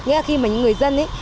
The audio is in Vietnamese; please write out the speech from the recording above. nghe là khi mà những người dân ấy